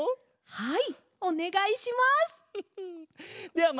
はい！